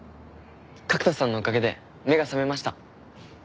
角田さんのおかげで目が覚めました。